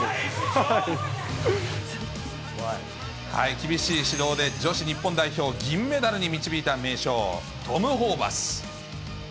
厳しい指導で女子日本代表を銀メダルに導いた名将、トム・ホーバス。